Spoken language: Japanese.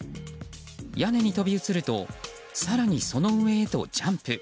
屋根に飛び移ると更にその上へとジャンプ。